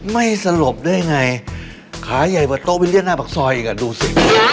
สลบได้ไงขาใหญ่กว่าโต๊วิลเลียนหน้าปากซอยอีกอ่ะดูสิ